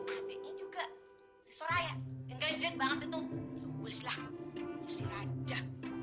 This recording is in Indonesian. ada ini juga si soraya yang ganjen banget itu ya usir aja